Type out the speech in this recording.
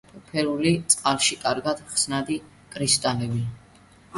უფერული, წყალში კარგად ხსნადი კრისტალებია.